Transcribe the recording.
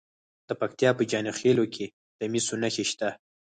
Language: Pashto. د پکتیا په جاني خیل کې د مسو نښې شته.